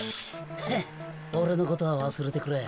「ヘッおれのことはわすれてくれ」。